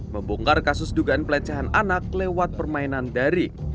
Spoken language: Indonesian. membongkar kasus dugaan pelecehan anak lewat permainan dari